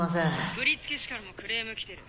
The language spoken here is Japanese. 振付師からもクレーム来てる。